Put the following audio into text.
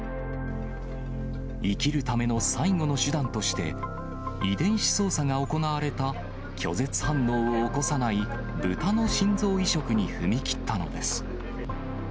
生きるための最後の手段として、遺伝子操作が行われた、拒絶反応を起こさないブタの心臓移植に踏み切ったのです。